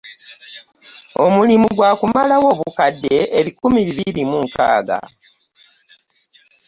Omulimu gwakumalawo obukadde ebikumi bibiri mu nkaaga.